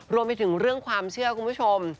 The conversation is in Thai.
รวมไปถึงเรื่องความเชื่อคุณผู้ชม